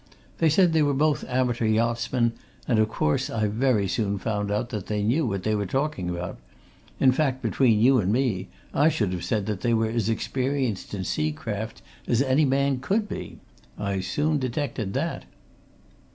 They said they were both amateur yachtsmen, and, of course, I very soon found out that they knew what they were talking about in fact, between you and me, I should have said that they were as experienced in sea craft as any man could be! I soon detected that."